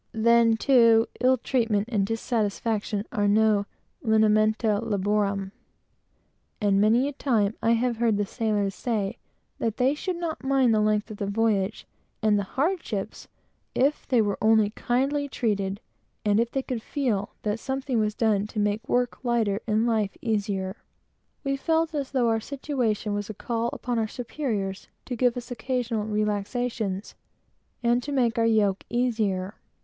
Then, too, ill treatment and dissatisfaction are no "linimenta laborum;" and many a time have I heard the sailors say that they should not mind the length of the voyage, and the hardships, if they were only kindly treated, and if they could feel that something was done to make things lighter and easier. We felt as though our situation was a call upon our superiors to give us occasional relaxations, and to make our yoke easier.